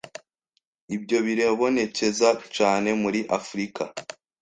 "Ibyo biribonekeza cane muri Afurika